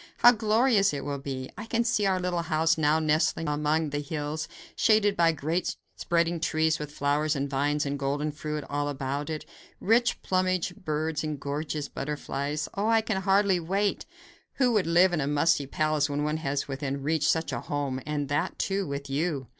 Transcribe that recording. How glorious it will be! I can see our little house now nestling among the hills, shaded by great spreading trees with flowers and vines and golden fruit all about it, rich plumaged birds and gorgeous butterflies. Oh! I can hardly wait. Who would live in a musty palace when one has within reach such a home, and that, too, with you?"